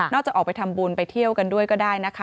จะออกไปทำบุญไปเที่ยวกันด้วยก็ได้นะคะ